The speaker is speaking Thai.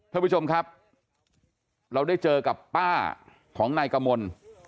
ท่านผู้ชมครับเราได้เจอกับป้าของนายกมล